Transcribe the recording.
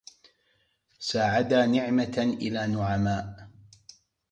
سَاعدا نَعمةً إلى نَعْماءَ